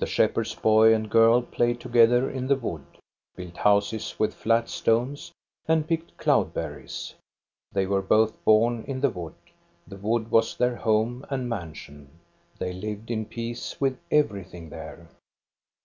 The shepherd's boy and girl played together in the wood, built houses with flat stones, and picked cloud berries. They were both born in the wood. The wood was their home and mansion. They lived in peace with everything there.